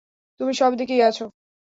তুমি সব দিকেই আছো।